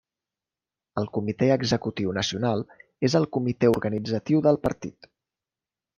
El Comitè Executiu Nacional és el comitè organitzatiu del partit.